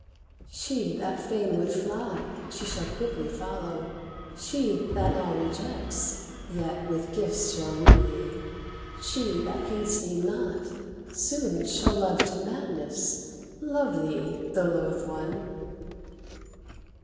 "She that fain would fly, she shall quickly follow, She that now rejects, yet with gifts shall woo thee, She that heeds thee not, soon shall love to madness, Love thee, the loth one!"